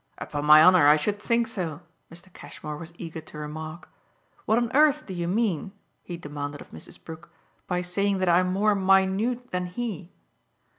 "Upon my honour I should think so!" Mr. Cashmore was eager to remark. "What on earth do you mean," he demanded of Mrs. Brook, "by saying that I'm more 'minute' than he?"